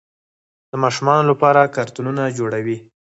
د ماشومانو لپاره کارتونونه جوړوي.